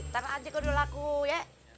ntar aja kalau udah laku ya